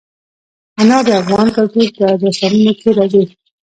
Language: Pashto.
انار د افغان کلتور په داستانونو کې راځي.